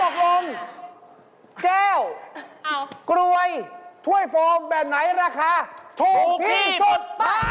แล้วตกลงเจ้อกรวยถ้วยฟิมแบบไหนราคาถูกที่สุด